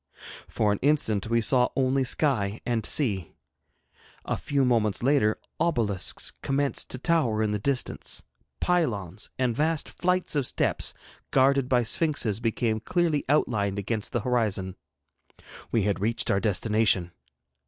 For an instant we saw only sky and sea. A few moments later obelisks commenced to tower in the distance; pylons and vast flights of steps guarded by sphinxes became clearly outlined against the horizon. We had reached our destination.